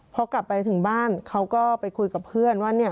พอกลับไปถึงบ้านเขาก็ไปคุยกับเพื่อนว่าเนี่ย